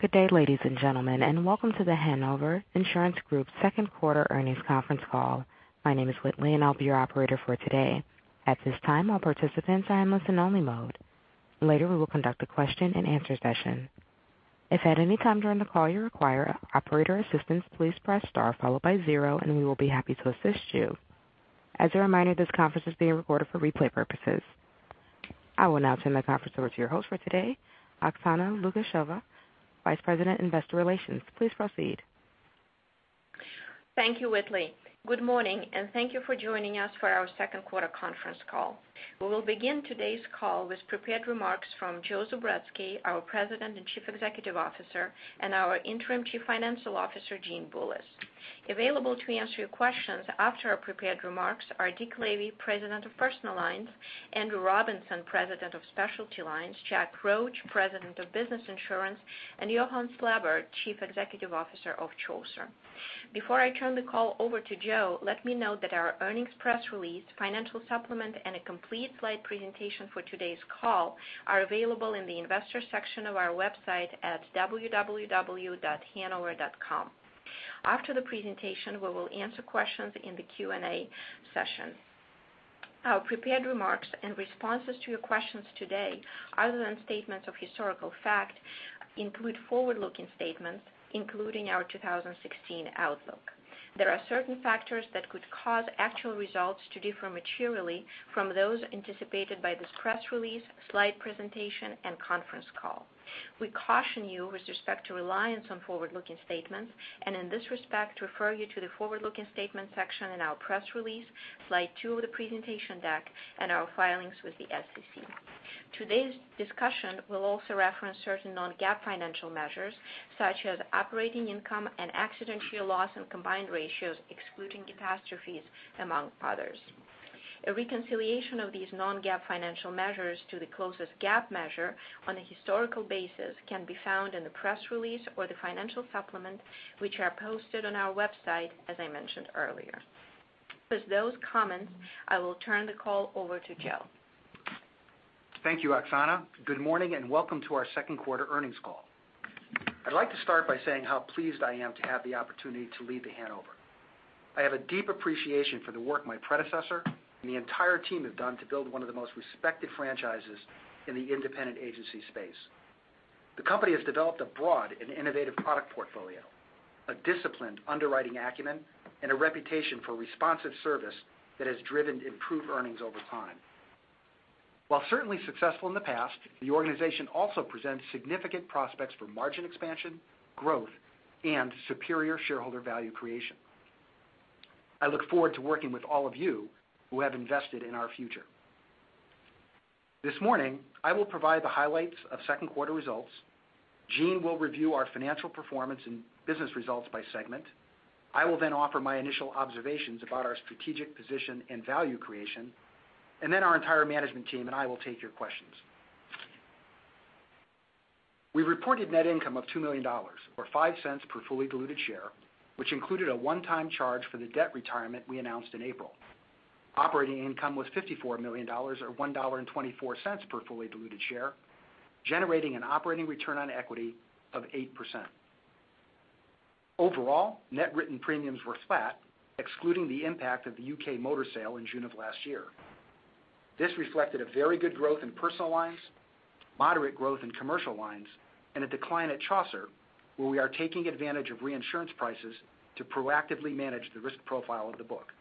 Good day, ladies and gentlemen, and welcome to The Hanover Insurance Group second quarter earnings conference call. My name is Whitley and I'll be your operator for today. At this time, all participants are in listen only mode. Later we will conduct a question and answer session. If at any time during the call you require operator assistance, please press star followed by zero and we will be happy to assist you. As a reminder, this conference is being recorded for replay purposes. I will now turn the conference over to your host for today, Oksana Lukasheva, Vice President, Investor Relations. Please proceed. Thank you, Whitley. Good morning, and thank you for joining us for our second quarter conference call. We will begin today's call with prepared remarks from Joe Zubretsky, our President and Chief Executive Officer, and our Interim Chief Financial Officer, Gene Bullis. Available to answer your questions after our prepared remarks are Dick Lavey, President of Personal Lines, Andrew Robinson, President of Specialty Lines, Jack Roche, President of Business Insurance, and Johan Slabbert, Chief Executive Officer of Chaucer. Before I turn the call over to Joe, let me note that our earnings press release, financial supplement, and a complete slide presentation for today's call are available in the investors section of our website at www.hanover.com. After the presentation, we will answer questions in the Q&A session. Our prepared remarks and responses to your questions today, other than statements of historical fact, include forward-looking statements, including our 2016 outlook. There are certain factors that could cause actual results to differ materially from those anticipated by this press release, slide two of the presentation deck, and our filings with the SEC. We caution you with respect to reliance on forward-looking statements, and in this respect, refer you to the forward-looking statements section in our press release, slide two of the presentation deck, and our filings with the SEC. Today's discussion will also reference certain non-GAAP financial measures, such as operating income and accident year loss and combined ratios, excluding catastrophes, among others. A reconciliation of these non-GAAP financial measures to the closest GAAP measure on a historical basis can be found in the press release or the financial supplement, which are posted on our website, as I mentioned earlier. With those comments, I will turn the call over to Joe. Thank you, Oksana. Good morning, and welcome to our second quarter earnings call. I'd like to start by saying how pleased I am to have the opportunity to lead The Hanover. I have a deep appreciation for the work my predecessor and the entire team have done to build one of the most respected franchises in the independent agency space. The company has developed a broad and innovative product portfolio, a disciplined underwriting acumen, and a reputation for responsive service that has driven improved earnings over time. While certainly successful in the past, the organization also presents significant prospects for margin expansion, growth, and superior shareholder value creation. I look forward to working with all of you who have invested in our future. This morning, I will provide the highlights of second quarter results. Gene will review our financial performance and business results by segment. I will offer my initial observations about our strategic position and value creation. Our entire management team and I will take your questions. We reported net income of $2 million or $0.05 per fully diluted share, which included a one-time charge for the debt retirement we announced in April. Operating income was $54 million or $1.24 per fully diluted share, generating an operating return on equity of 8%. Overall, net written premiums were flat, excluding the impact of the U.K. motor sale in June of last year. This reflected a very good growth in Personal Lines, moderate growth in Commercial Lines, and a decline at Chaucer, where we are taking advantage of reinsurance prices to proactively manage the risk profile of the book.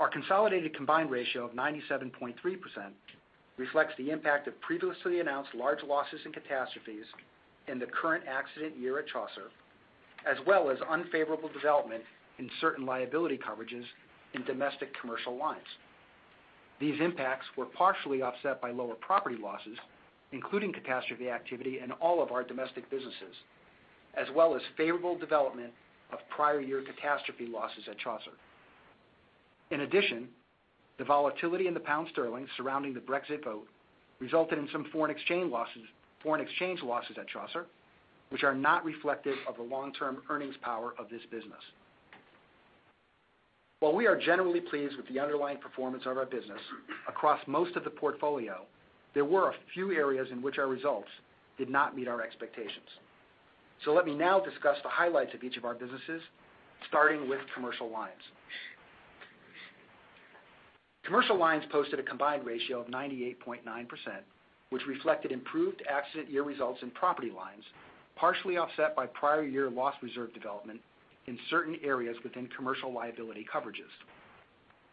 Our consolidated combined ratio of 97.3% reflects the impact of previously announced large losses and catastrophes in the current accident year at Chaucer, as well as unfavorable development in certain liability coverages in domestic Commercial Lines. These impacts were partially offset by lower property losses, including catastrophe activity in all of our domestic businesses, as well as favorable development of prior year catastrophe losses at Chaucer. In addition, the volatility in the pound sterling surrounding the Brexit vote resulted in some foreign exchange losses at Chaucer, which are not reflective of the long-term earnings power of this business. While we are generally pleased with the underlying performance of our business across most of the portfolio, there were a few areas in which our results did not meet our expectations. Let me now discuss the highlights of each of our businesses, starting with Commercial Lines. Commercial Lines posted a combined ratio of 98.9%, which reflected improved accident year results in property lines, partially offset by prior year loss reserve development in certain areas within Commercial liability coverages.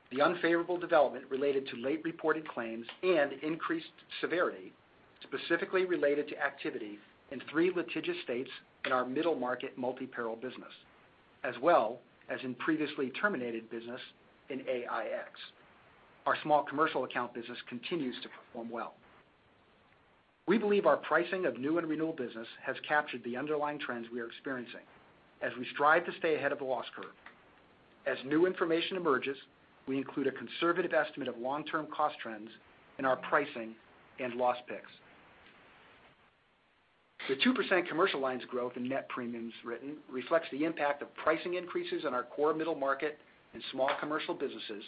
The unfavorable development related to late reported claims and increased severity specifically related to activity in three litigious states in our middle market multi-peril business, as well as in previously terminated business in AIX. Our small commercial account business continues to perform well. We believe our pricing of new and renewal business has captured the underlying trends we are experiencing as we strive to stay ahead of the loss curve. As new information emerges, we include a conservative estimate of long-term cost trends in our pricing and loss picks. The 2% Commercial Lines growth in net premiums written reflects the impact of pricing increases in our core middle market and small commercial businesses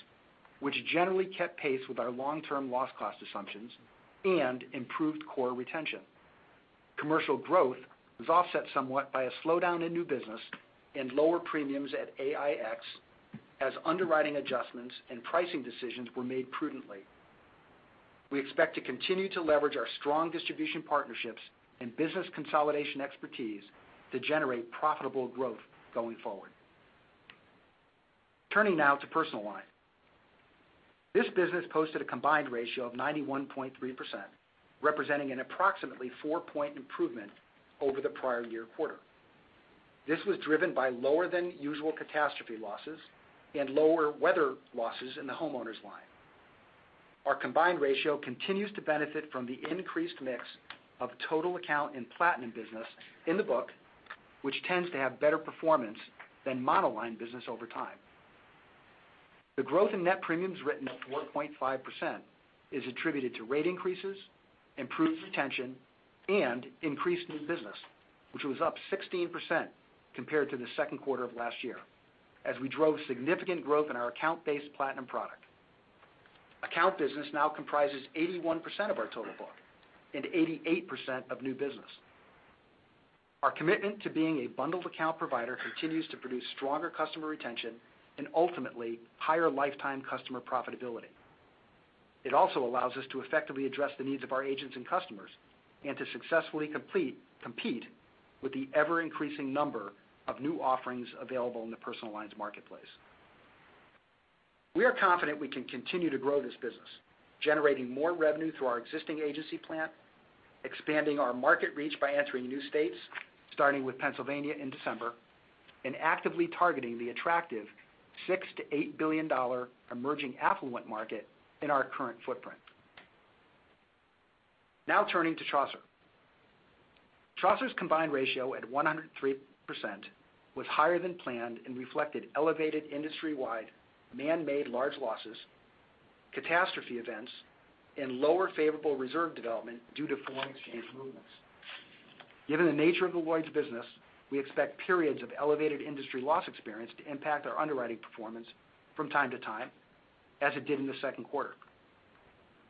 which generally kept pace with our long-term loss cost assumptions and improved core retention. Commercial growth was offset somewhat by a slowdown in new business and lower premiums at AIX as underwriting adjustments and pricing decisions were made prudently. We expect to continue to leverage our strong distribution partnerships and business consolidation expertise to generate profitable growth going forward. Turning now to Personal Lines. This business posted a combined ratio of 91.3%, representing an approximately 4-point improvement over the prior year quarter. This was driven by lower than usual catastrophe losses and lower weather losses in the homeowners line. Our combined ratio continues to benefit from the increased mix of total account and platinum business in the book, which tends to have better performance than monoline business over time. The growth in net premiums written at 4.5% is attributed to rate increases, improved retention and increased new business, which was up 16% compared to the second quarter of last year as we drove significant growth in our account-based platinum product. Account business now comprises 81% of our total book and 88% of new business. Our commitment to being a bundled account provider continues to produce stronger customer retention and ultimately higher lifetime customer profitability. It also allows us to effectively address the needs of our agents and customers and to successfully compete with the ever-increasing number of new offerings available in the Personal Lines marketplace. We are confident we can continue to grow this business, generating more revenue through our existing agency plan, expanding our market reach by entering new states, starting with Pennsylvania in December, and actively targeting the attractive $6 billion-$8 billion emerging affluent market in our current footprint. Turning to Chaucer. Chaucer's combined ratio at 103% was higher than planned and reflected elevated industry-wide man-made large losses, catastrophe events, and lower favorable reserve development due to foreign exchange movements. Given the nature of the Lloyd's business, we expect periods of elevated industry loss experience to impact our underwriting performance from time to time, as it did in the second quarter.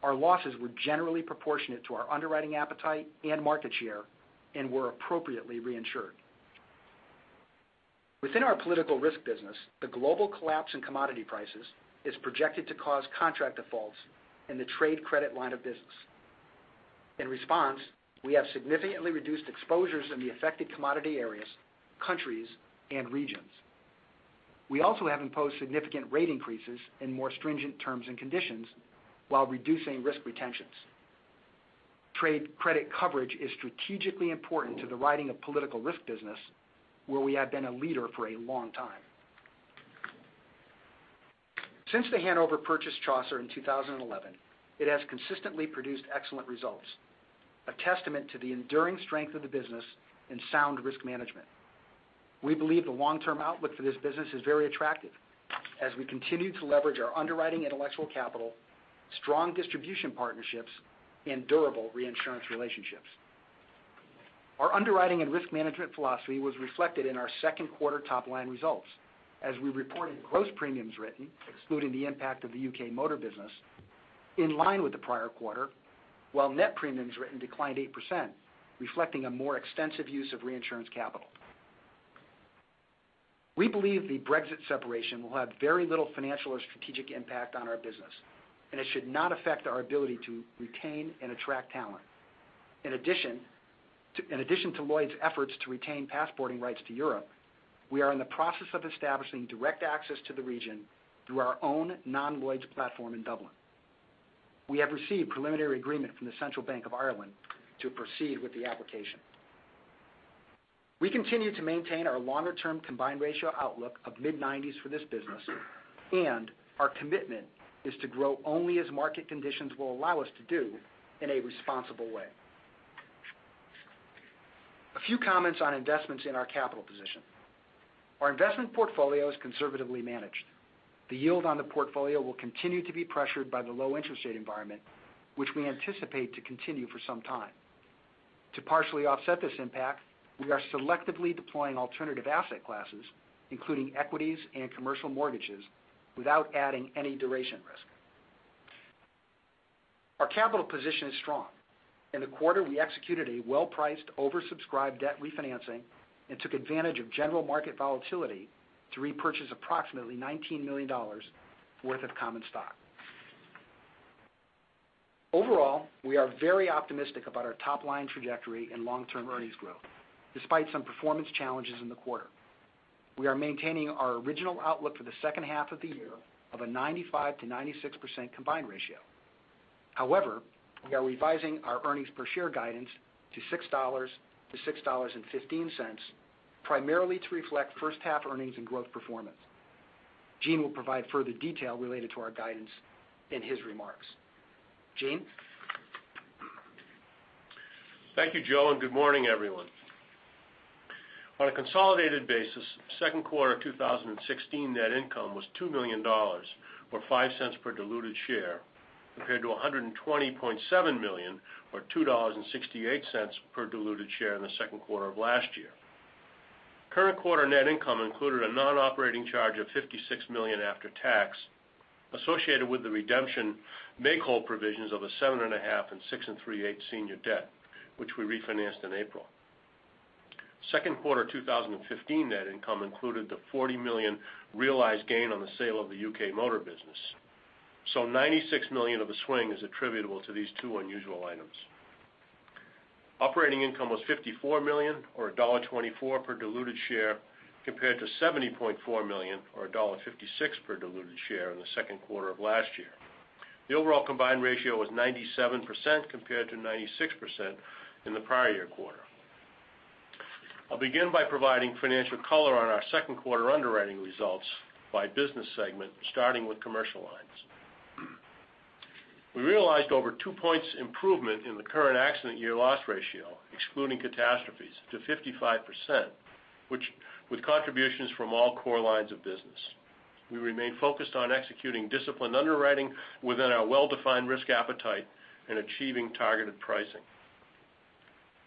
Our losses were generally proportionate to our underwriting appetite and market share and were appropriately reinsured. Within our political risk business, the global collapse in commodity prices is projected to cause contract defaults in the trade credit line of business. In response, we have significantly reduced exposures in the affected commodity areas, countries, and regions. We also have imposed significant rate increases and more stringent terms and conditions while reducing risk retentions. Trade credit coverage is strategically important to the writing of political risk business, where we have been a leader for a long time. Since The Hanover purchase Chaucer in 2011, it has consistently produced excellent results, a testament to the enduring strength of the business and sound risk management. We believe the long-term outlook for this business is very attractive as we continue to leverage our underwriting intellectual capital, strong distribution partnerships, and durable reinsurance relationships. Our underwriting and risk management philosophy was reflected in our second quarter top-line results as we reported gross premiums written, excluding the impact of the U.K. motor business, in line with the prior quarter, while net premiums written declined 8%, reflecting a more extensive use of reinsurance capital. We believe the Brexit separation will have very little financial or strategic impact on our business, and it should not affect our ability to retain and attract talent. In addition to Lloyd's efforts to retain passporting rights to Europe, we are in the process of establishing direct access to the region through our own non-Lloyd's platform in Dublin. We have received preliminary agreement from the Central Bank of Ireland to proceed with the application. We continue to maintain our longer-term combined ratio outlook of mid-90s for this business. Our commitment is to grow only as market conditions will allow us to do in a responsible way. A few comments on investments in our capital position. Our investment portfolio is conservatively managed. The yield on the portfolio will continue to be pressured by the low interest rate environment, which we anticipate to continue for some time. To partially offset this impact, we are selectively deploying alternative asset classes, including equities and commercial mortgages, without adding any duration risk. Our capital position is strong. In the quarter, we executed a well-priced, oversubscribed debt refinancing and took advantage of general market volatility to repurchase approximately $19 million worth of common stock. Overall, we are very optimistic about our top-line trajectory and long-term earnings growth, despite some performance challenges in the quarter. We are maintaining our original outlook for the second half of the year of a 95%-96% combined ratio. However, we are revising our earnings per share guidance to $6-$6.15, primarily to reflect first half earnings and growth performance. Gene will provide further detail related to our guidance in his remarks. Gene? Thank you, Joe, good morning, everyone. On a consolidated basis, second quarter 2016 net income was $2 million, or $0.05 per diluted share, compared to $120.7 million or $2.68 per diluted share in the second quarter of last year. Current quarter net income included a non-operating charge of $56 million after tax associated with the redemption make-whole provisions of a 7.50% and 6.375% senior debt, which we refinanced in April. Second quarter 2015 net income included the $40 million realized gain on the sale of the U.K. motor business. $96 million of the swing is attributable to these two unusual items. Operating income was $54 million, or $1.24 per diluted share, compared to $70.4 million or $1.56 per diluted share in the second quarter of last year. The overall combined ratio was 97% compared to 96% in the prior year quarter. I'll begin by providing financial color on our second quarter underwriting results by business segment, starting with Commercial Lines. We realized over two points improvement in the current accident year loss ratio, excluding catastrophes, to 55%, with contributions from all core lines of business. We remain focused on executing disciplined underwriting within our well-defined risk appetite and achieving targeted pricing.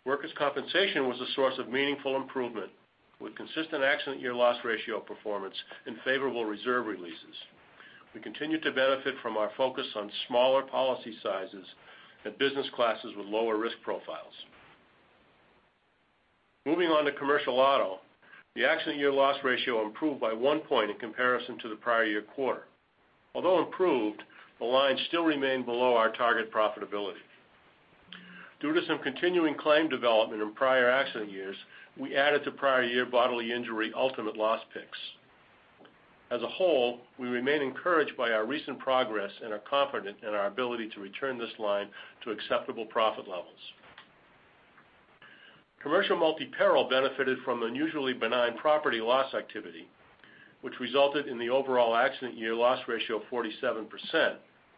Workers' compensation was a source of meaningful improvement, with consistent accident year loss ratio performance and favorable reserve releases. We continue to benefit from our focus on smaller policy sizes and business classes with lower risk profiles. Moving on to commercial auto, the accident year loss ratio improved by one point in comparison to the prior year quarter. Although improved, the line still remained below our target profitability. Due to some continuing claim development in prior accident years, we added to prior year bodily injury ultimate loss picks. As a whole, we remain encouraged by our recent progress and are confident in our ability to return this line to acceptable profit levels. Commercial Multi-Peril benefited from unusually benign property loss activity, which resulted in the overall accident year loss ratio of 47%,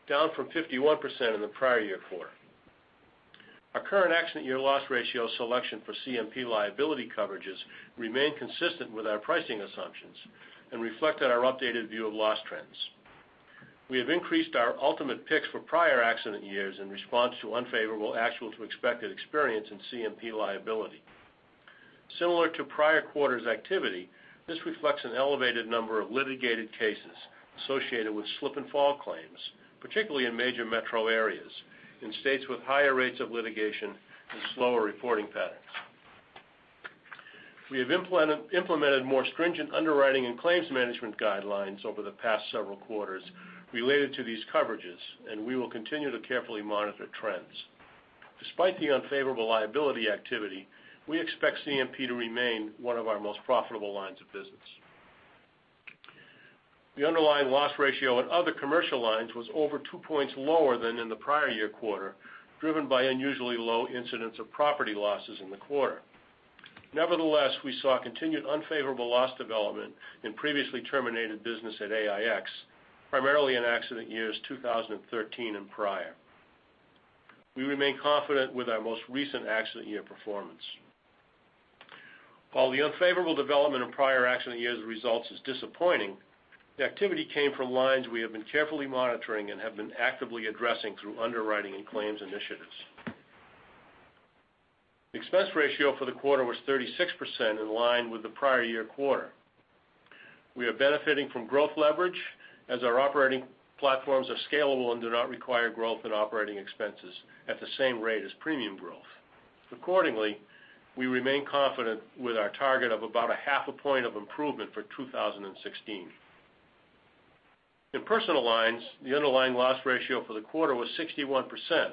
down from 51% in the prior year quarter. Our current accident year loss ratio selection for CMP liability coverages remain consistent with our pricing assumptions and reflect on our updated view of loss trends. We have increased our ultimate picks for prior accident years in response to unfavorable actual to expected experience in CMP liability. Similar to prior quarters activity, this reflects an elevated number of litigated cases associated with slip and fall claims, particularly in major metro areas, in states with higher rates of litigation and slower reporting patterns. We have implemented more stringent underwriting and claims management guidelines over the past several quarters related to these coverages. We will continue to carefully monitor trends. Despite the unfavorable liability activity, we expect CMP to remain one of our most profitable lines of business. The underlying loss ratio in other Commercial Lines was over two points lower than in the prior year quarter, driven by unusually low incidents of property losses in the quarter. Nevertheless, we saw continued unfavorable loss development in previously terminated business at AIX, primarily in accident years 2013 and prior. We remain confident with our most recent accident year performance. While the unfavorable development in prior accident years results is disappointing, the activity came from lines we have been carefully monitoring and have been actively addressing through underwriting and claims initiatives. Expense ratio for the quarter was 36%, in line with the prior year quarter. We are benefiting from growth leverage as our operating platforms are scalable and do not require growth in operating expenses at the same rate as premium growth. We remain confident with our target of about a half a point of improvement for 2016. In Personal Lines, the underlying loss ratio for the quarter was 61%,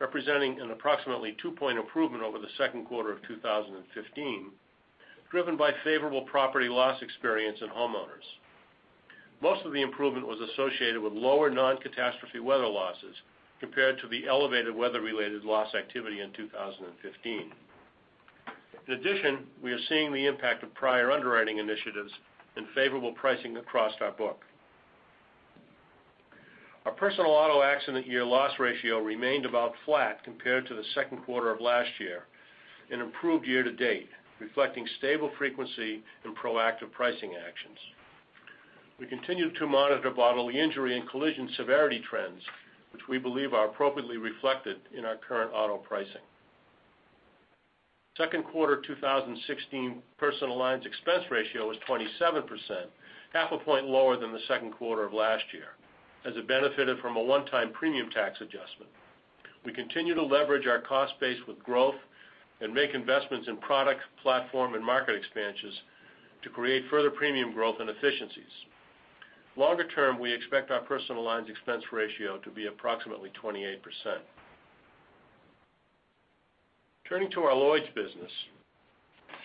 representing an approximately two-point improvement over the second quarter of 2015, driven by favorable property loss experience in homeowners. Most of the improvement was associated with lower non-catastrophe weather losses compared to the elevated weather-related loss activity in 2015. In addition, we are seeing the impact of prior underwriting initiatives and favorable pricing across our book. Our personal auto accident year loss ratio remained about flat compared to the second quarter of last year and improved year to date, reflecting stable frequency and proactive pricing actions. We continue to monitor bodily injury and collision severity trends, which we believe are appropriately reflected in our current auto pricing. Second quarter 2016 Personal Lines expense ratio was 27%, half a point lower than the second quarter of last year, as it benefited from a one-time premium tax adjustment. We continue to leverage our cost base with growth and make investments in product, platform, and market expansions to create further premium growth and efficiencies. Longer term, we expect our Personal Lines expense ratio to be approximately 28%. Turning to our Lloyd's business,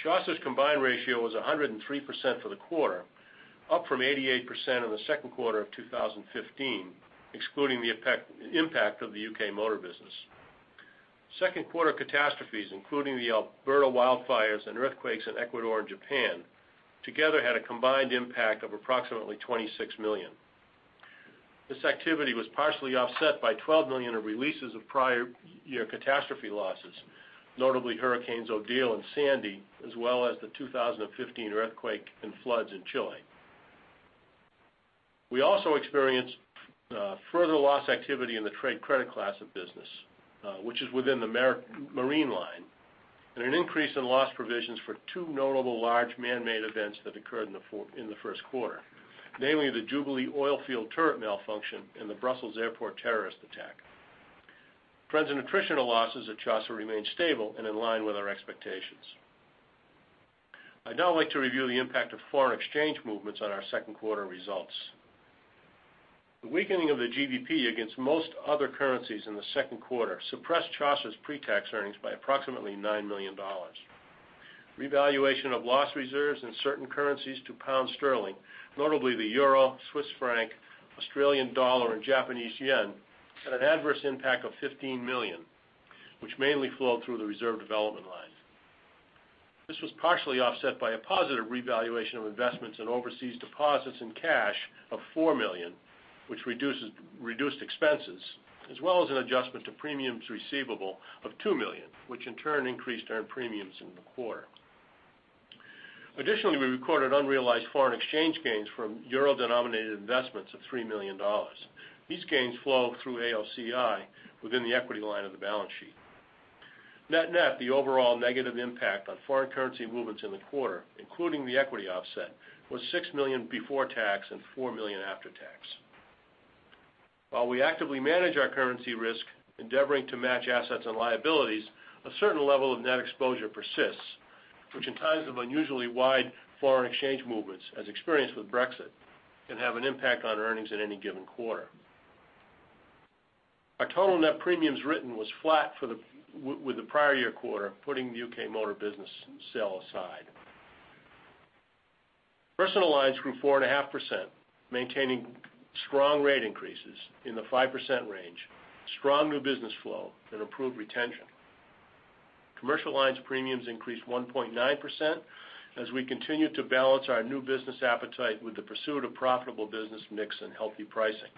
Chaucer's combined ratio was 103% for the quarter, up from 88% in the second quarter of 2015, excluding the impact of the U.K. motor business. Second quarter catastrophes, including the Alberta wildfires and earthquakes in Ecuador and Japan, together had a combined impact of approximately $26 million. This activity was partially offset by $12 million of releases of prior year catastrophe losses, notably Hurricanes Odile and Sandy, as well as the 2015 earthquake and floods in Chile. We also experienced further loss activity in the trade credit class of business, which is within the marine line, and an increase in loss provisions for two notable large man-made events that occurred in the first quarter, namely the Jubilee oil field turret malfunction and the Brussels Airport terrorist attack. Trends in attritional losses at Chaucer remained stable and in line with our expectations. I'd now like to review the impact of foreign exchange movements on our second quarter results. The weakening of the GBP against most other currencies in the second quarter suppressed Chaucer's pretax earnings by approximately $9 million. Revaluation of loss reserves in certain currencies to GBP, notably the EUR, CHF, AUD, and JPY, had an adverse impact of 15 million, which mainly flowed through the reserve development line. This was partially offset by a positive revaluation of investments in overseas deposits and cash of 4 million, which reduced expenses, as well as an adjustment to premiums receivable of 2 million, which in turn increased earned premiums in the quarter. Additionally, we recorded unrealized foreign exchange gains from euro-denominated investments of $3 million. These gains flow through AOCI within the equity line of the balance sheet. Net-net, the overall negative impact on foreign currency movements in the quarter, including the equity offset, was $6 million before tax and $4 million after tax. While we actively manage our currency risk, endeavoring to match assets and liabilities, a certain level of net exposure persists, which in times of unusually wide foreign exchange movements, as experienced with Brexit, can have an impact on earnings in any given quarter. Our total net premiums written was flat with the prior year quarter, putting the U.K. motor business sale aside. Personal Lines grew 4.5%, maintaining strong rate increases in the 5% range, strong new business flow, and improved retention. Commercial Lines premiums increased 1.9% as we continued to balance our new business appetite with the pursuit of profitable business mix and healthy pricing.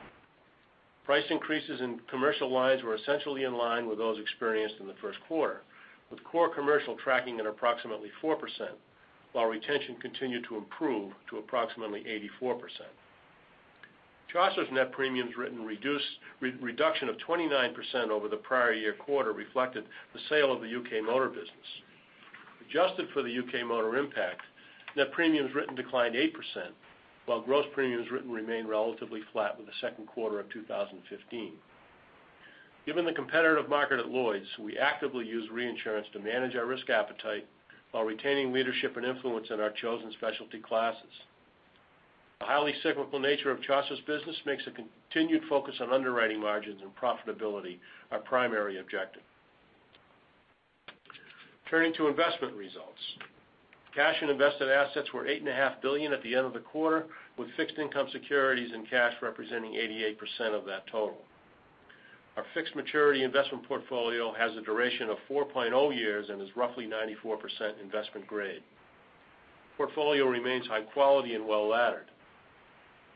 Price increases in Commercial Lines were essentially in line with those experienced in the first quarter, with core commercial tracking at approximately 4%, while retention continued to improve to approximately 84%. Chaucer's net premiums written reduction of 29% over the prior year quarter reflected the sale of the U.K. motor business. Adjusted for the U.K. motor impact, net premiums written declined 8%, while gross premiums written remained relatively flat with the second quarter of 2015. Given the competitive market at Lloyd's, we actively use reinsurance to manage our risk appetite while retaining leadership and influence in our chosen Specialty classes. The highly cyclical nature of Chaucer's business makes a continued focus on underwriting margins and profitability our primary objective. Turning to investment results. Cash and invested assets were $8.5 billion at the end of the quarter, with fixed income securities and cash representing 88% of that total. Our fixed maturity investment portfolio has a duration of 4.0 years and is roughly 94% investment grade. Portfolio remains high quality and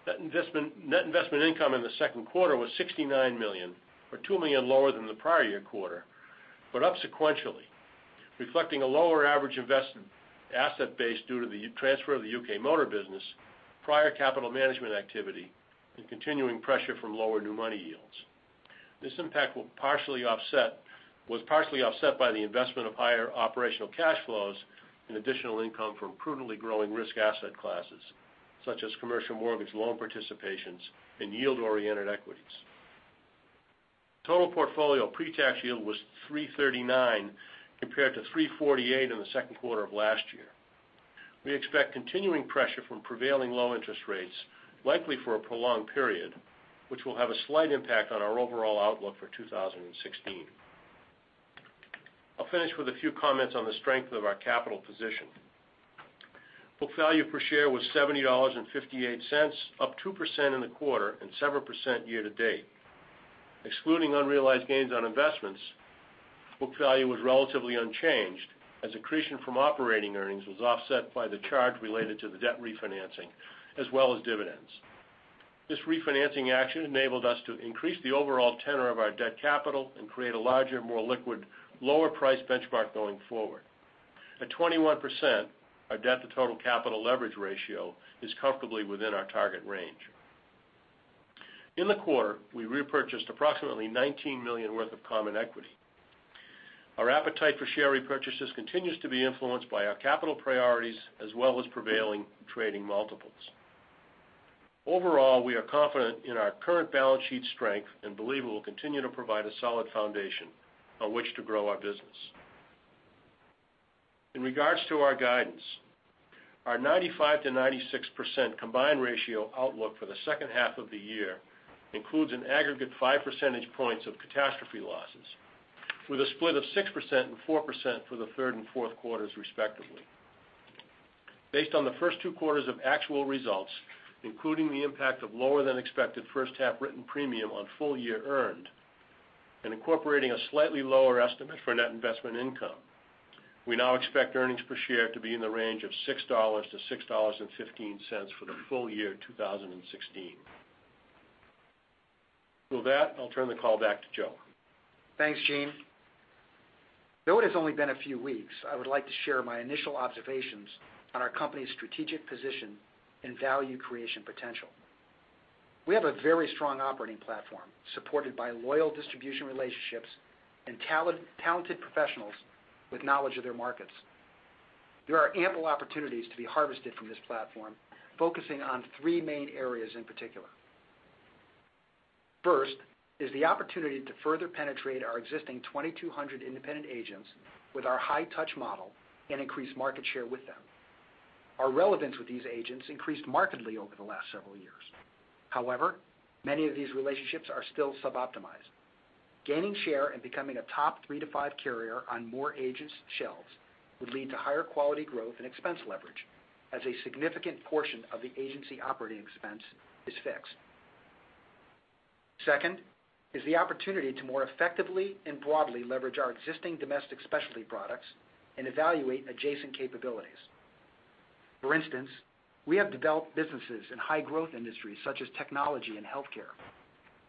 well-laddered. Net investment income in the second quarter was $69 million, or $2 million lower than the prior year quarter, but up sequentially, reflecting a lower average asset base due to the transfer of the U.K. motor business, prior capital management activity, and continuing pressure from lower new money yields. This impact was partially offset by the investment of higher operational cash flows and additional income from prudently growing risk asset classes, such as commercial mortgage loan participations and yield-oriented equities. Total portfolio pre-tax yield was 339 compared to 348 in the second quarter of last year. We expect continuing pressure from prevailing low interest rates, likely for a prolonged period, which will have a slight impact on our overall outlook for 2016. I'll finish with a few comments on the strength of our capital position. Book value per share was $70.58, up 2% in the quarter and 7% year-to-date. Excluding unrealized gains on investments, book value was relatively unchanged as accretion from operating earnings was offset by the charge related to the debt refinancing as well as dividends. This refinancing action enabled us to increase the overall tenor of our debt capital and create a larger, more liquid, lower price benchmark going forward. At 21%, our debt to total capital leverage ratio is comfortably within our target range. In the quarter, we repurchased approximately $19 million worth of common equity. Our appetite for share repurchases continues to be influenced by our capital priorities as well as prevailing trading multiples. Overall, we are confident in our current balance sheet strength and believe it will continue to provide a solid foundation on which to grow our business. In regards to our guidance, our 95%-96% combined ratio outlook for the second half of the year includes an aggregate five percentage points of catastrophe losses, with a split of 6% and 4% for the third and fourth quarters, respectively. Based on the first two quarters of actual results, including the impact of lower than expected first half written premium on full year earned, and incorporating a slightly lower estimate for net investment income, we now expect earnings per share to be in the range of $6-$6.15 for the full year 2016. With that, I'll turn the call back to Joe. Thanks, Gene. Though it has only been a few weeks, I would like to share my initial observations on our company's strategic position and value creation potential. We have a very strong operating platform supported by loyal distribution relationships and talented professionals with knowledge of their markets. There are ample opportunities to be harvested from this platform, focusing on three main areas in particular. First is the opportunity to further penetrate our existing 2,200 independent agents with our high touch model and increase market share with them. Our relevance with these agents increased markedly over the last several years. However, many of these relationships are still sub-optimized. Gaining share and becoming a top three to five carrier on more agents' shelves would lead to higher quality growth and expense leverage as a significant portion of the agency operating expense is fixed. Second is the opportunity to more effectively and broadly leverage our existing domestic Specialty products and evaluate adjacent capabilities. For instance, we have developed businesses in high growth industries such as technology and healthcare.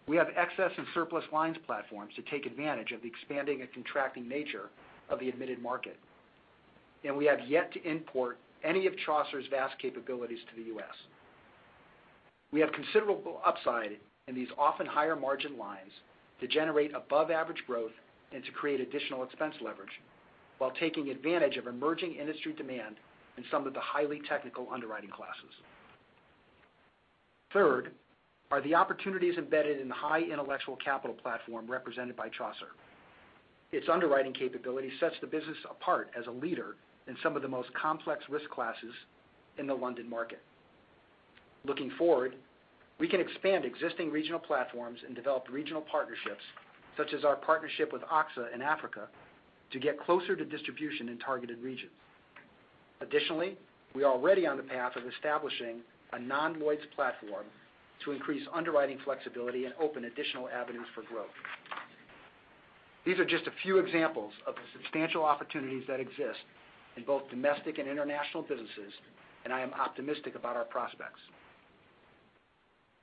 We have excess and surplus lines platforms to take advantage of the expanding and contracting nature of the admitted market. We have yet to import any of Chaucer's vast capabilities to the U.S. We have considerable upside in these often higher margin lines to generate above average growth and to create additional expense leverage while taking advantage of emerging industry demand in some of the highly technical underwriting classes. Third are the opportunities embedded in the high intellectual capital platform represented by Chaucer. Its underwriting capability sets the business apart as a leader in some of the most complex risk classes in the London market. Looking forward, we can expand existing regional platforms and develop regional partnerships, such as our partnership with AXA in Africa, to get closer to distribution in targeted regions. Additionally, we are already on the path of establishing a non-Lloyd's platform to increase underwriting flexibility and open additional avenues for growth. These are just a few examples of the substantial opportunities that exist in both domestic and international businesses. I am optimistic about our prospects.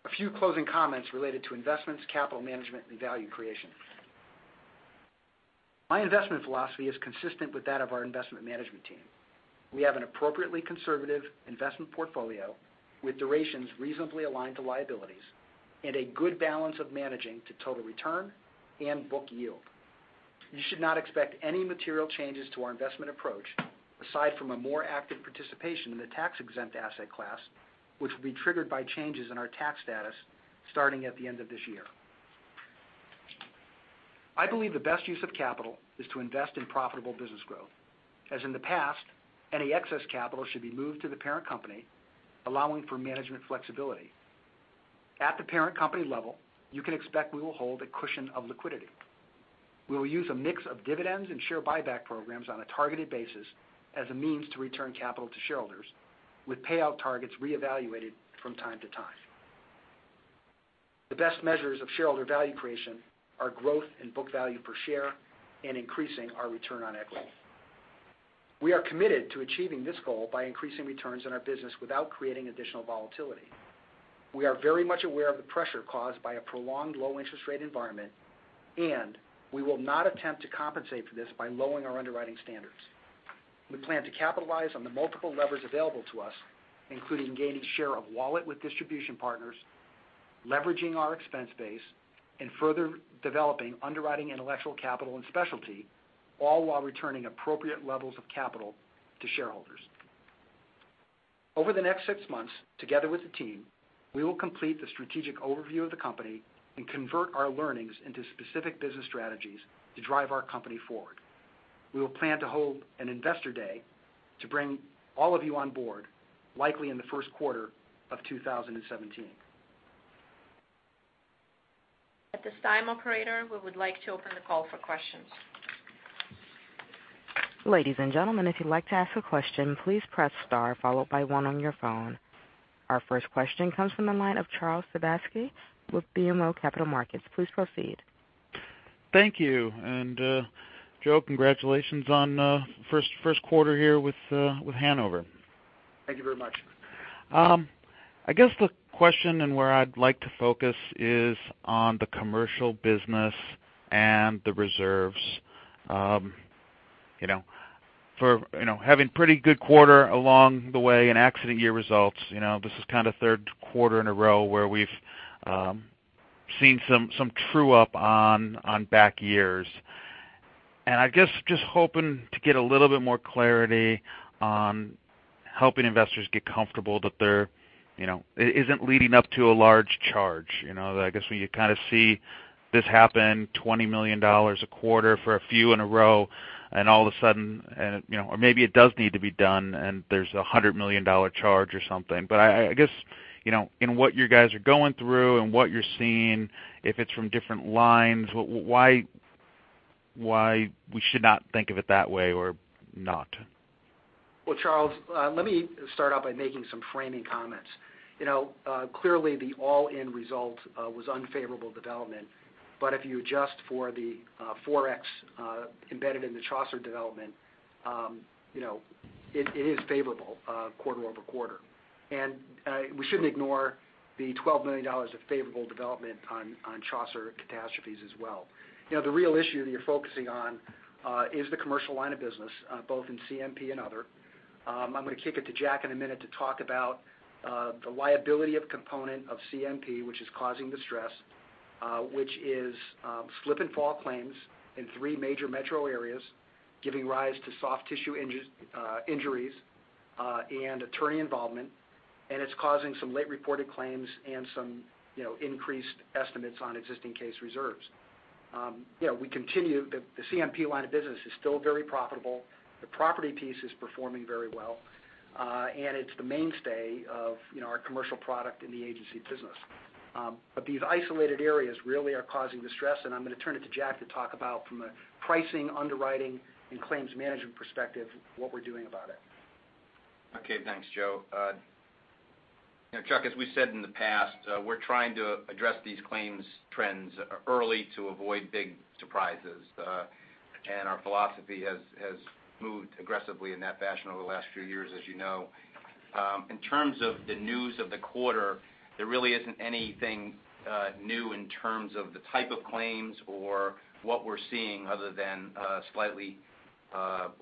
A few closing comments related to investments, capital management, and value creation. My investment philosophy is consistent with that of our investment management team. We have an appropriately conservative investment portfolio with durations reasonably aligned to liabilities and a good balance of managing to total return and book yield. You should not expect any material changes to our investment approach aside from a more active participation in the tax exempt asset class, which will be triggered by changes in our tax status starting at the end of this year. I believe the best use of capital is to invest in profitable business growth. As in the past, any excess capital should be moved to the parent company, allowing for management flexibility. At the parent company level, you can expect we will hold a cushion of liquidity. We will use a mix of dividends and share buyback programs on a targeted basis as a means to return capital to shareholders with payout targets reevaluated from time to time. The best measures of shareholder value creation are growth in book value per share and increasing our return on equity. We are committed to achieving this goal by increasing returns on our business without creating additional volatility. We are very much aware of the pressure caused by a prolonged low interest rate environment. We will not attempt to compensate for this by lowering our underwriting standards. We plan to capitalize on the multiple levers available to us, including gaining share of wallet with distribution partners, leveraging our expense base, and further developing underwriting intellectual capital and Specialty, all while returning appropriate levels of capital to shareholders. Over the next 6 months, together with the team, we will complete the strategic overview of the company and convert our learnings into specific business strategies to drive our company forward. We will plan to hold an investor day to bring all of you on board, likely in the first quarter of 2017. At this time, operator, we would like to open the call for questions. Ladies and gentlemen, if you'd like to ask a question, please press star followed by one on your phone. Our first question comes from the line of Charles Sebaski with BMO Capital Markets. Please proceed. Thank you. Joe, congratulations on first quarter here with Hanover. Thank you very much. I guess the question and where I'd like to focus is on the Commercial business and the reserves. For having pretty good quarter along the way and accident year results, this is kind of 3rd quarter in a row where we've seen some true up on back years. I guess just hoping to get a little bit more clarity on helping investors get comfortable that it isn't leading up to a large charge. I guess when you kind of see this happen, $20 million a quarter for a few in a row, and all of a sudden, or maybe it does need to be done and there's a $100 million charge or something. I guess, in what you guys are going through and what you're seeing, if it's from different lines, why we should not think of it that way or not? Well, Charles, let me start out by making some framing comments. Clearly the all-in result was unfavorable development. If you adjust for the Forex embedded in the Chaucer development, it is favorable quarter-over-quarter. We shouldn't ignore the $12 million of favorable development on Chaucer catastrophes as well. The real issue that you're focusing on is the Commercial Lines of business, both in CMP and other. I'm going to kick it to Jack in a minute to talk about the liability of component of CMP, which is causing the stress, which is slip and fall claims in 3 major metro areas, giving rise to soft tissue injuries, and attorney involvement. It's causing some late reported claims and some increased estimates on existing case reserves. The CMP line of business is still very profitable. The property piece is performing very well. It's the mainstay of our commercial product in the agency business. These isolated areas really are causing the stress, and I'm going to turn it to Jack to talk about from a pricing, underwriting, and claims management perspective, what we're doing about it. Okay, thanks, Joe. Chuck, as we said in the past, we're trying to address these claims trends early to avoid big surprises. Our philosophy has moved aggressively in that fashion over the last few years, as you know. In terms of the news of the quarter, there really isn't anything new in terms of the type of claims or what we're seeing other than a slightly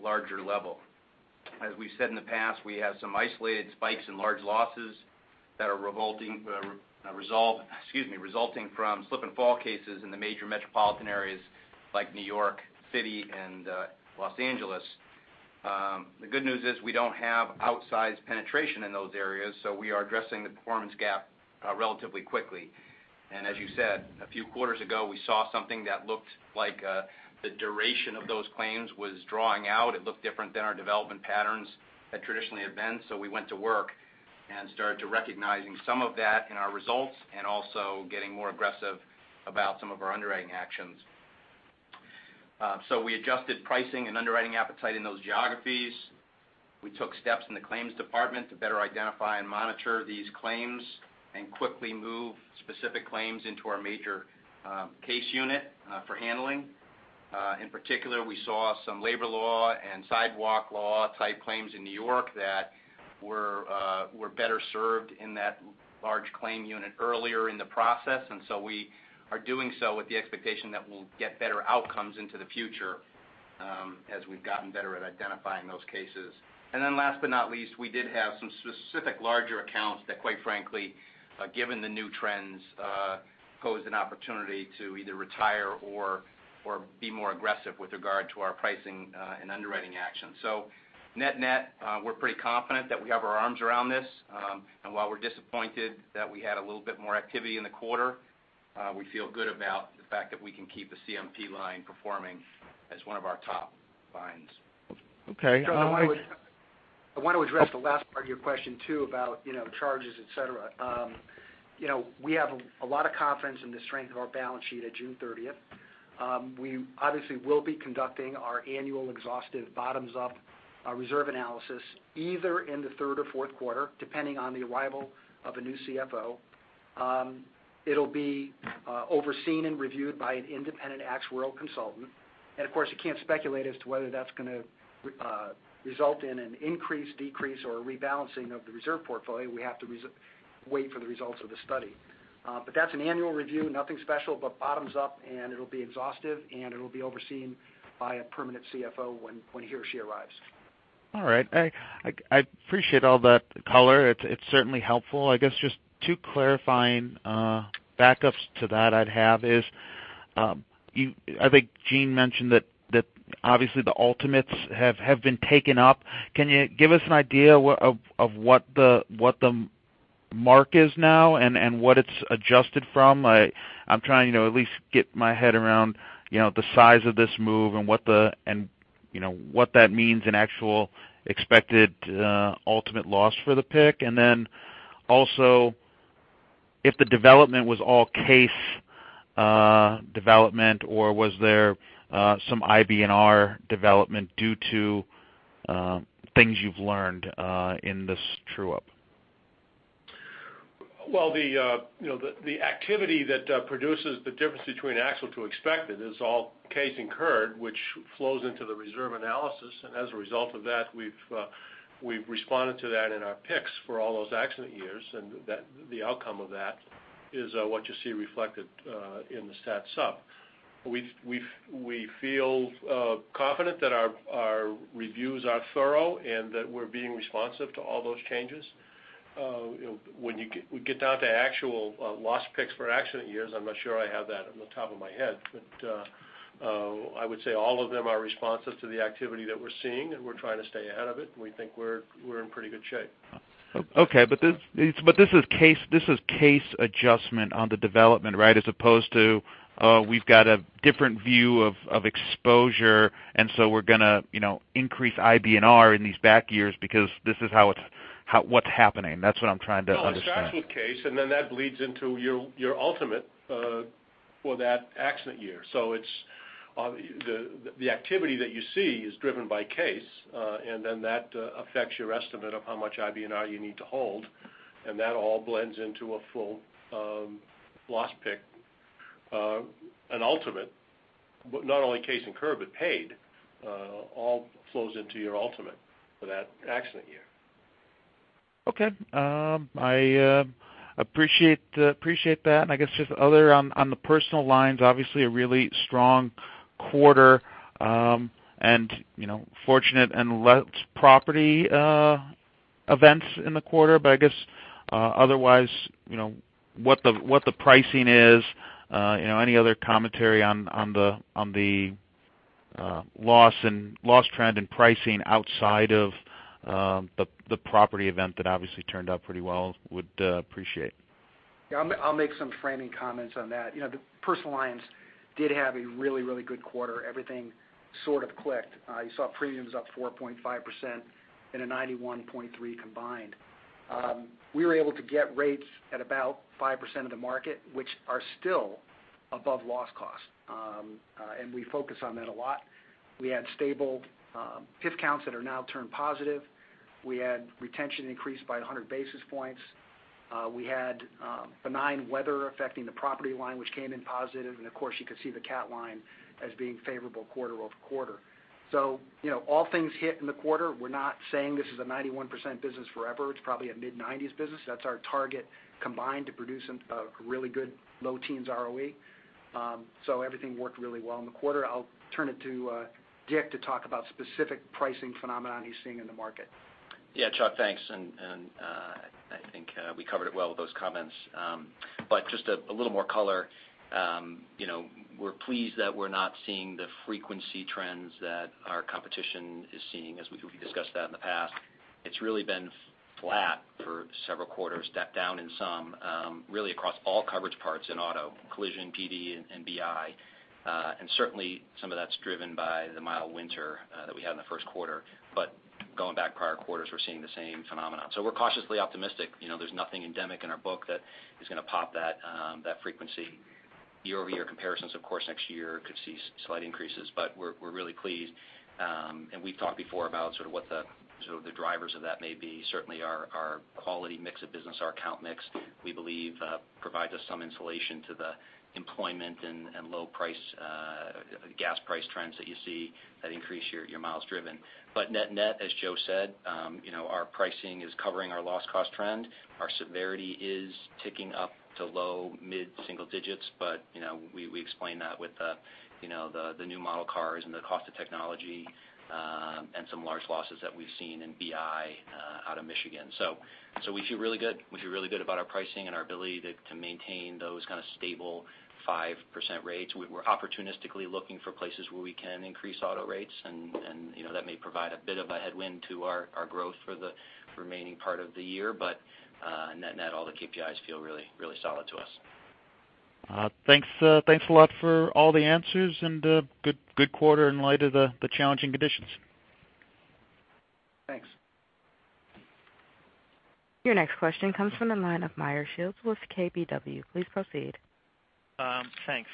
larger level. As we've said in the past, we have some isolated spikes and large losses that are resulting from slip and fall cases in the major metropolitan areas like New York City and Los Angeles. The good news is we don't have outsized penetration in those areas, so we are addressing the performance gap relatively quickly. As you said, a few quarters ago, we saw something that looked like the duration of those claims was drawing out. It looked different than our development patterns had traditionally been. We went to work and started to recognizing some of that in our results and also getting more aggressive about some of our underwriting actions. We adjusted pricing and underwriting appetite in those geographies. We took steps in the claims department to better identify and monitor these claims and quickly move specific claims into our major case unit for handling. In particular, we saw some labor law and sidewalk law type claims in New York that were better served in that large claim unit earlier in the process. We are doing so with the expectation that we'll get better outcomes into the future as we've gotten better at identifying those cases. Last but not least, we did have some specific larger accounts that quite frankly given the new trends, posed an opportunity to either retire or be more aggressive with regard to our pricing and underwriting action. Net-net, we're pretty confident that we have our arms around this. While we're disappointed that we had a little bit more activity in the quarter, we feel good about the fact that we can keep the CMP line performing as one of our top lines. Okay. I want to address the last part of your question too about charges, et cetera. We have a lot of confidence in the strength of our balance sheet at June 30th. We obviously will be conducting our annual exhaustive bottoms-up reserve analysis, either in the third or fourth quarter, depending on the arrival of a new CFO. It'll be overseen and reviewed by an independent actuarial consultant. Of course, you can't speculate as to whether that's going to result in an increase, decrease, or rebalancing of the reserve portfolio. We have to wait for the results of the study. That's an annual review, nothing special, but bottoms-up, and it'll be exhaustive, and it'll be overseen by a permanent CFO when he or she arrives. All right. I appreciate all that color. It's certainly helpful. I guess just two clarifying backups to that I'd have is, I think Gene mentioned that obviously the ultimates have been taken up. Can you give us an idea of what the mark is now and what it's adjusted from? I'm trying to at least get my head around the size of this move and what that means in actual expected ultimate loss for the pick. Also, if the development was all case development or was there some IBNR development due to things you've learned in this true-up? Well, the activity that produces the difference between actual to expected is all case incurred, which flows into the reserve analysis. As a result of that, we've responded to that in our picks for all those accident years, and the outcome of that is what you see reflected in the stat sub. We feel confident that our reviews are thorough and that we're being responsive to all those changes. When you get down to actual loss picks for accident years, I'm not sure I have that on the top of my head, but I would say all of them are responsive to the activity that we're seeing, and we're trying to stay ahead of it. We think we're in pretty good shape. Okay. This is case adjustment on the development, right? As opposed to, we've got a different view of exposure, so we're going to increase IBNR in these back years because this is what's happening. That's what I'm trying to understand. No, it starts with case, and that bleeds into your ultimate for that accident year. The activity that you see is driven by case, and that affects your estimate of how much IBNR you need to hold. That all blends into a full loss pick, an ultimate, but not only case incurred, but paid, all flows into your ultimate for that accident year. Okay. I appreciate that. I guess just other on the Personal Lines, obviously a really strong quarter, and fortunate and less property events in the quarter, but I guess, otherwise, what the pricing is, any other commentary on the loss trend and pricing outside of the property event that obviously turned out pretty well, would appreciate. I'll make some framing comments on that. The Personal Lines did have a really good quarter. Everything sort of clicked. You saw premiums up 4.5% in a 91.3% combined. We were able to get rates at about 5% of the market, which are still above loss cost. We focus on that a lot. We had stable PIF counts that are now turned positive. We had retention increase by 100 basis points. We had benign weather affecting the property line, which came in positive, and of course, you could see the CAT line as being favorable quarter-over-quarter. All things hit in the quarter. We're not saying this is a 91% business forever. It's probably a mid-90s business. That's our target combined to produce some really good low teens ROE. Everything worked really well in the quarter. I'll turn it to Dick to talk about specific pricing phenomenon he's seeing in the market. Yeah, Chuck, thanks. I think, we covered it well with those comments. Just a little more color. We're pleased that we're not seeing the frequency trends that our competition is seeing as we discussed that in the past. It's really been flat for several quarters, stepped down in some, really across all coverage parts in auto, collision, PD, and BI. Certainly, some of that's driven by the mild winter that we had in the first quarter. Going back prior quarters, we're seeing the same phenomenon. We're cautiously optimistic. There's nothing endemic in our book that is going to pop that frequency year-over-year comparisons. Of course, next year could see slight increases, but we're really pleased. We've talked before about sort of what the drivers of that may be. Certainly our quality mix of business, our account mix, we believe, provides us some insulation to the employment and low price, gas price trends that you see that increase your miles driven. Net, as Joe said, our pricing is covering our loss cost trend. Our severity is ticking up to low, mid-single digits, but we explain that with the new model cars and the cost of technology, and some large losses that we've seen in BI out of Michigan. We feel really good. We feel really good about our pricing and our ability to maintain those kind of stable 5% rates. We're opportunistically looking for places where we can increase auto rates, that may provide a bit of a headwind to our growth for the remaining part of the year. Net, all the KPIs feel really solid to us. Thanks a lot for all the answers and good quarter in light of the challenging conditions. Thanks. Your next question comes from the line of Meyer Shields with KBW. Please proceed. Thanks.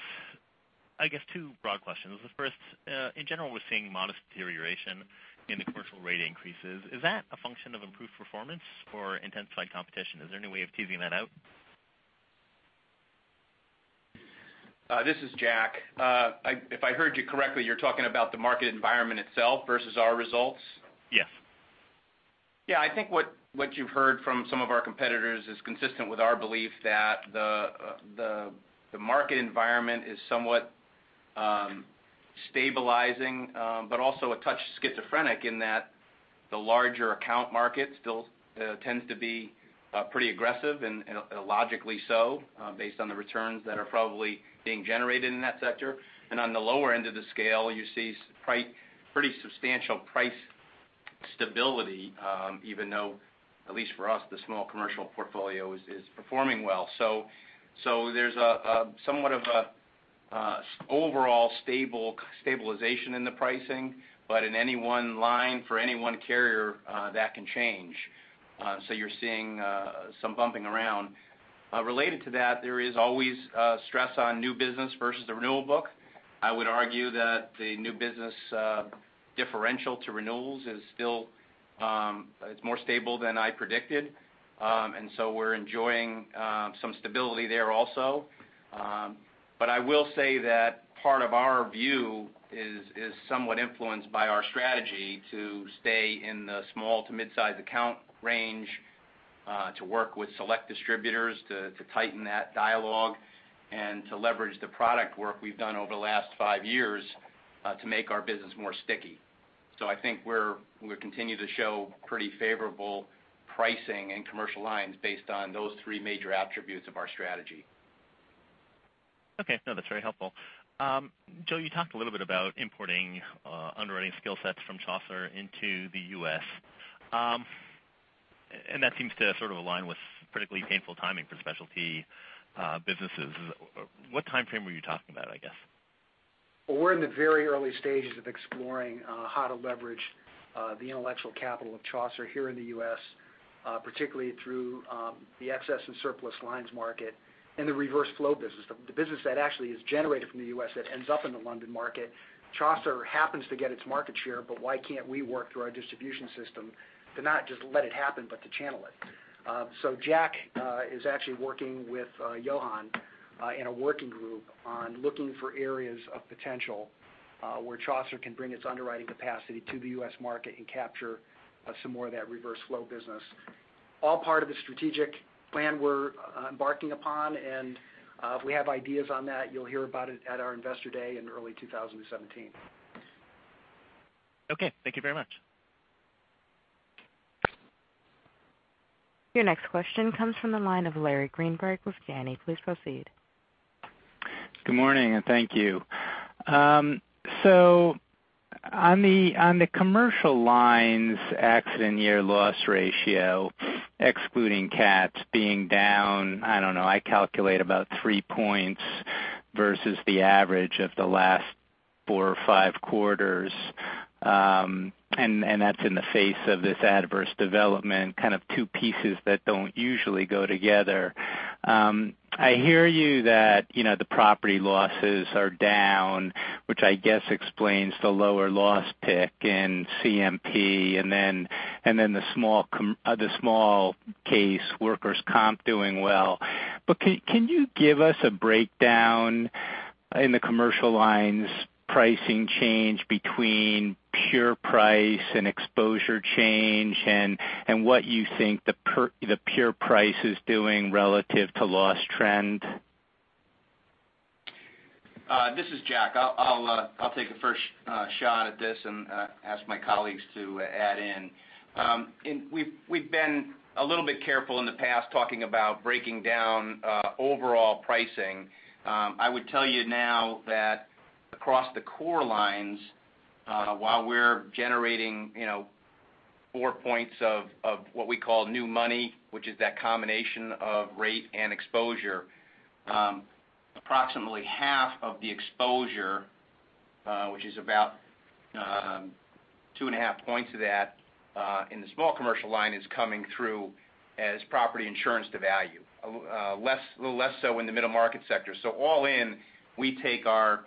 I guess two broad questions. The first, in general, we're seeing modest deterioration in the commercial rate increases. Is that a function of improved performance or intensified competition? Is there any way of teasing that out? This is Jack. If I heard you correctly, you're talking about the market environment itself versus our results? Yes. I think what you've heard from some of our competitors is consistent with our belief that the market environment is somewhat stabilizing, but also a touch schizophrenic in that the larger account market still tends to be pretty aggressive and logically so, based on the returns that are probably being generated in that sector. On the lower end of the scale, you see pretty substantial price stability, even though at least for us, the small commercial portfolio is performing well. There's somewhat of a overall stabilization in the pricing, but in any one line for any one carrier, that can change. You're seeing some bumping around. Related to that, there is always stress on new business versus the renewal book. I would argue that the new business differential to renewals is still more stable than I predicted. We're enjoying some stability there also. I will say that part of our view is somewhat influenced by our strategy to stay in the small to mid-size account range, to work with select distributors, to tighten that dialogue, and to leverage the product work we've done over the last five years, to make our business more sticky. I think we'll continue to show pretty favorable pricing in Commercial Lines based on those three major attributes of our strategy. Okay. No, that's very helpful. Joe, you talked a little bit about importing underwriting skill sets from Chaucer into the U.S. That seems to sort of align with critically painful timing for Specialty businesses. What timeframe are you talking about, I guess? We're in the very early stages of exploring how to leverage the intellectual capital of Chaucer here in the U.S. particularly through the excess and surplus lines market. The reverse flow business, the business that actually is generated from the U.S. that ends up in the London market. Chaucer happens to get its market share, why can't we work through our distribution system to not just let it happen, but to channel it? Jack is actually working with Johan in a working group on looking for areas of potential, where Chaucer can bring its underwriting capacity to the U.S. market and capture some more of that reverse flow business. All part of the strategic plan we're embarking upon. If we have ideas on that, you'll hear about it at our investor day in early 2017. Okay. Thank you very much. Your next question comes from the line of Larry Greenberg with Janney. Please proceed. Good morning, and thank you. On the Commercial Lines accident year loss ratio, excluding cats being down, I don't know, I calculate about three points versus the average of the last four or five quarters. That's in the face of this adverse development, kind of two pieces that don't usually go together. I hear you that the property losses are down, which I guess explains the lower loss pick in CMP, and then the small case workers' comp doing well. Can you give us a breakdown in the Commercial Lines pricing change between pure price and exposure change, and what you think the pure price is doing relative to loss trend? This is Jack. I'll take the first shot at this and ask my colleagues to add in. We've been a little bit careful in the past talking about breaking down overall pricing. I would tell you now that across the core lines, while we're generating four points of what we call new money, which is that combination of rate and exposure. Approximately half of the exposure, which is about two and a half points of that in the small Commercial Lines is coming through as property insurance to value. A little less so in the middle market sector. All in, we take our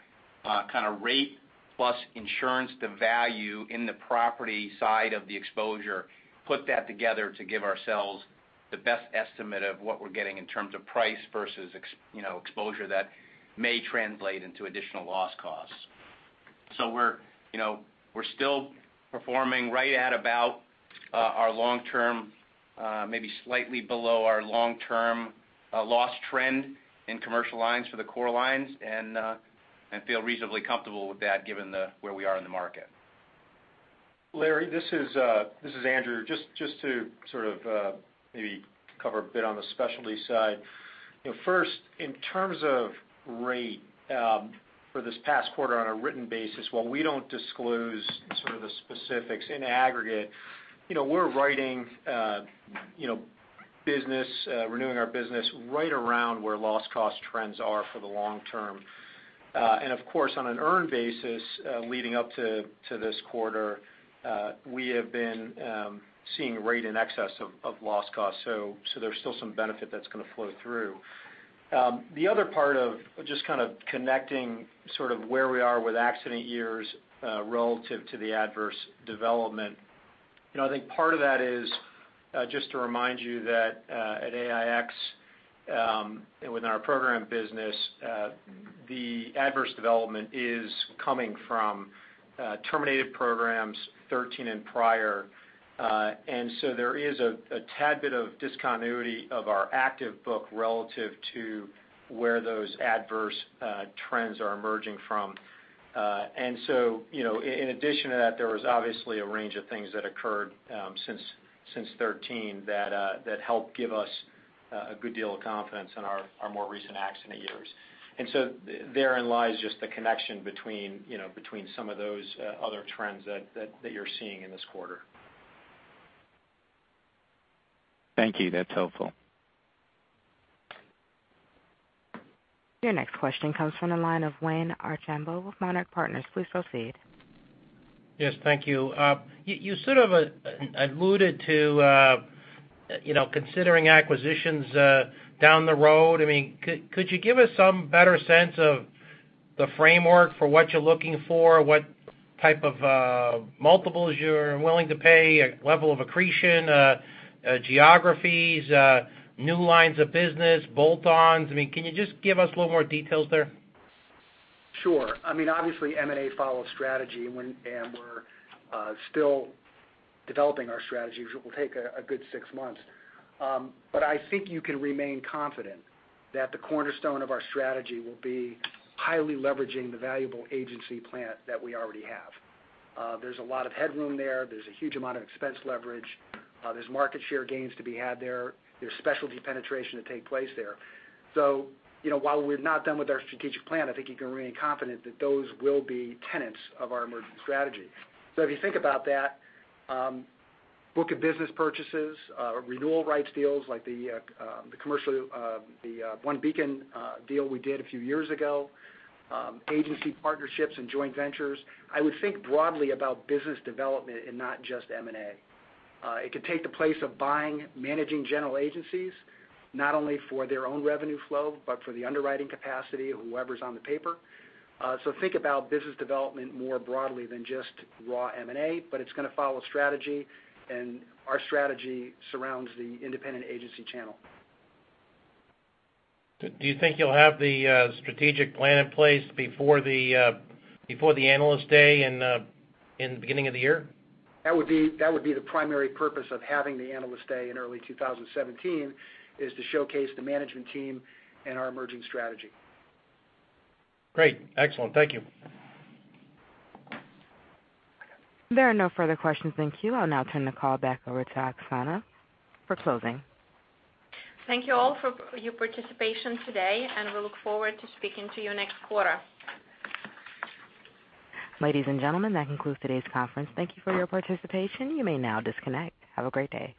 rate plus insurance to value in the property side of the exposure, put that together to give ourselves the best estimate of what we're getting in terms of price versus exposure that may translate into additional loss costs. We're still performing right at about our long-term, maybe slightly below our long-term loss trend in Commercial Lines for the core lines, and feel reasonably comfortable with that given where we are in the market. Larry, this is Andrew. Just to sort of maybe cover a bit on the Specialty side. First, in terms of rate for this past quarter on a written basis, while we don't disclose sort of the specifics in aggregate, we're writing business, renewing our business right around where loss cost trends are for the long term. Of course, on an earned basis leading up to this quarter, we have been seeing rate in excess of loss cost. There's still some benefit that's going to flow through. The other part of just kind of connecting sort of where we are with accident years relative to the adverse development. I think part of that is just to remind you that at AIX, within our program business, the adverse development is coming from terminated programs 2013 and prior. There is a tad bit of discontinuity of our active book relative to where those adverse trends are emerging from. In addition to that, there was obviously a range of things that occurred since 2013 that helped give us a good deal of confidence in our more recent accident years. Therein lies just the connection between some of those other trends that you're seeing in this quarter. Thank you. That's helpful. Your next question comes from the line of Wayne Archambo with Monarch Partners. Please proceed. Yes, thank you. You sort of alluded to considering acquisitions down the road. Could you give us some better sense of the framework for what you're looking for? What type of multiples you're willing to pay, a level of accretion, geographies, new lines of business, bolt-ons? Can you just give us a little more details there? Sure. Obviously, M&A follows strategy when we're still developing our strategy, which will take a good six months. I think you can remain confident that the cornerstone of our strategy will be highly leveraging the valuable agency plan that we already have. There's a lot of headroom there. There's a huge amount of expense leverage. There's market share gains to be had there. There's Specialty penetration to take place there. While we're not done with our strategic plan, I think you can remain confident that those will be tenets of our emerging strategy. If you think about that, book of business purchases, renewal rights deals like the OneBeacon deal we did a few years ago, agency partnerships and joint ventures. I would think broadly about business development and not just M&A. It could take the place of buying managing general agencies, not only for their own revenue flow, but for the underwriting capacity of whoever's on the paper. Think about business development more broadly than just raw M&A. It's going to follow strategy, and our strategy surrounds the independent agency channel. Do you think you'll have the strategic plan in place before the Analyst Day in the beginning of the year? That would be the primary purpose of having the Analyst Day in early 2017, is to showcase the management team and our emerging strategy. Great. Excellent. Thank you. There are no further questions in queue. I'll now turn the call back over to Oksana for closing. Thank you all for your participation today, and we look forward to speaking to you next quarter. Ladies and gentlemen, that concludes today's conference. Thank you for your participation. You may now disconnect. Have a great day.